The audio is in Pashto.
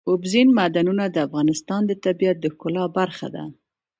اوبزین معدنونه د افغانستان د طبیعت د ښکلا برخه ده.